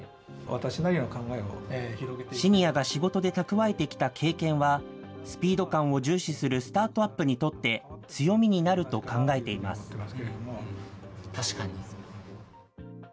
シニアが仕事で蓄えてきた経験は、スピード感を重視するスタートアップにとって、強みになると考えています。